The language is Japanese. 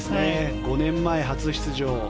５年前、初出場。